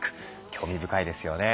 興味深いですよね。